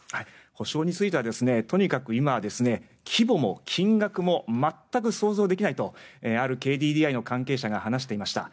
補償についてはとにかく今は規模も金額も全く想像できないとあるＫＤＤＩの関係者が話していました。